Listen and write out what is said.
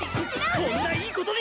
ここんないいことに！